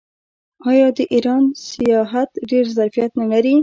آیا د ایران سیاحت ډیر ظرفیت نلري؟